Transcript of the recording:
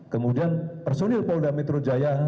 kemudian personil polda metro jaya